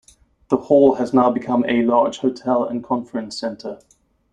The hall has now become a large hotel and conference centre.